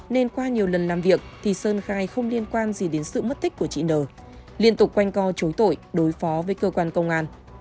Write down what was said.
nên qua nhiều lần làm việc thì sơn khai không liên quan gì đến sự mất tích của chị n liên tục quanh co chối tội đối phó với cơ quan công an